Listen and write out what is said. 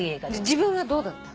自分はどうだった？